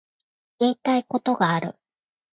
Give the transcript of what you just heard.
言いたいことがある